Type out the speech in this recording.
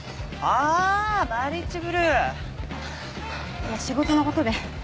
いや仕事の事で。